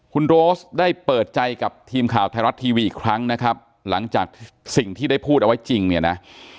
คุณโรสได้เปิดใจกับทีมข่าวไทยรัฐทีวีอีกครั้งนะครับหลังจากสิ่งที่ได้พูดเอาไว้จริงเนี่ยนะ